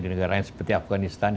di negara lain seperti afganistan